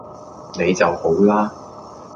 你就好啦